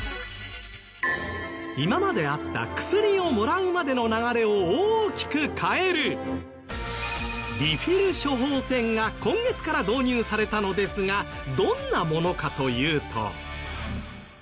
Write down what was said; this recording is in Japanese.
今まであった薬をもらうまでの流れを大きく変えるリフィル処方箋が今月から導入されたのですがどんなものかというと。